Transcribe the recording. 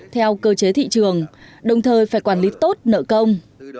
theo cơ chế thị trường đồng thời phải quản lý tốt nợ công